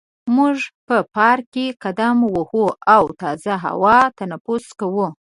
موږ په پارک کې قدم وهو او تازه هوا تنفس کوو.